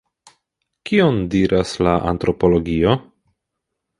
Kion diras la antropologio?